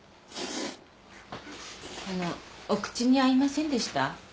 あのうお口に合いませんでした？